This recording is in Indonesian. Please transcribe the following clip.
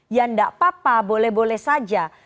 ya tidak apa apa boleh boleh saja